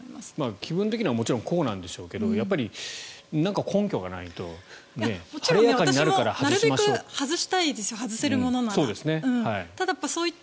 気分的にはもちろんこうなんでしょうけどやっぱり、何か根拠がないと晴れやかになるからといって。